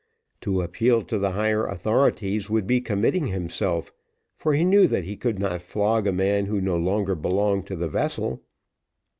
To appeal to the higher authorities would be committing himself, for he knew that he could not flog a man who no longer belonged to the vessel.